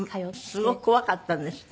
すごく怖かったんですって？